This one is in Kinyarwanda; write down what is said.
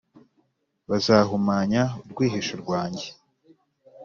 bazahumanya urwihisho rwanjye.